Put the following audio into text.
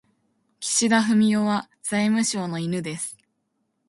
岸田文雄は財務省の犬です。